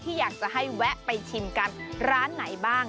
อยากจะให้แวะไปชิมกันร้านไหนบ้าง